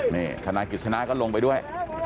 นี่ธนายกิจสนาก็ลงไปด้วย